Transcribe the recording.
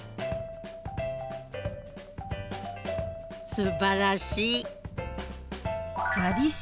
すばらしい。